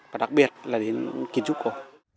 và đặc biệt là đến kiến trúc cổ